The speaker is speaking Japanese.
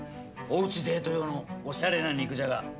おうちデート用のおしゃれな肉じゃが。